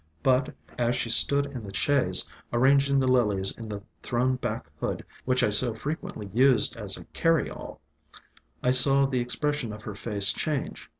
But, as she stood in the chaise arranging the Lilies in the thrown back hood which I so frequently used as a carry all, I saw the expression of her face change.